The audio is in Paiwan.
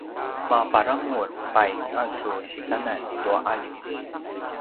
maparamur pai a su sikanan tua alju?